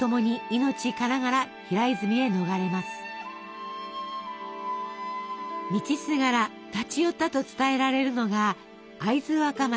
道すがら立ち寄ったと伝えられるのが会津若松のあめ屋。